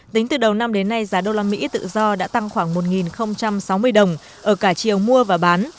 tính từ đầu năm đến nay giá đô la mỹ tự do đã tăng khoảng một sáu mươi đồng ở cả chiều mua và bán